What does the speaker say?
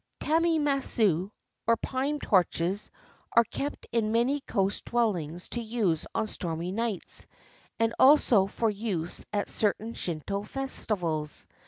Taimatsu, or pine torches, are kept in many coast dwellings for use on stormy nights, and also for use at certain Shinto festivals.